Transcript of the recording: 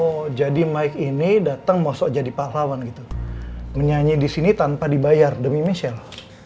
oh jadi mike ini datang mau sok jadi pahlawan gitu menyanyi disini tanpa dibayar demi michelle